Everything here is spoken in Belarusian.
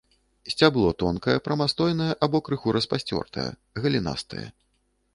Сцябло тонкае, прамастойнае або крыху распасцёртае, галінастае.